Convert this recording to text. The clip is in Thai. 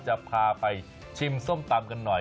จะพาไปชิมส้มตำกันหน่อย